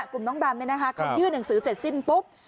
กลุ่มน้องบำนะครับของที่หนังสือเสร็จสิ้นปุ๊บ